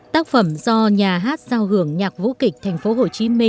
tác phẩm do nhà hát giao hưởng nhạc vũ kịch tp hcm